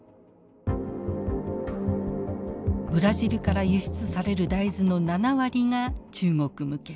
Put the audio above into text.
ブラジルから輸出される大豆の７割が中国向け。